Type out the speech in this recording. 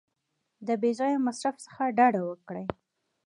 د بې ځایه مصرف څخه ډډه وکړئ.